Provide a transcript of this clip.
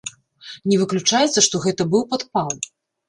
Не выключаецца, што гэта быў падпал.